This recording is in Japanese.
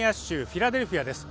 フィラデルフィアです